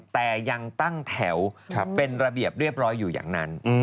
แต่ยังตั้งแถวเป็นระเบียบเรียบร้อยอยู่อย่างนั้น